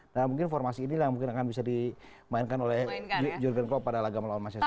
dan mungkin formasi ini akan bisa dimainkan oleh jurgen klopp pada lagam lawan masyarakat